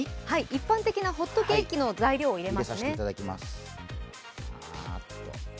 一般的なホットケーキの材料を入れますね。